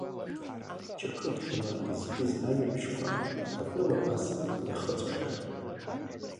Чақырџьалы изкыз ажәабжьқәа атәыла абас иахыҵәахьан…